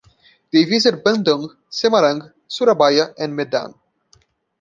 They visited Bandung, Semarang, Surabaya, and Medan.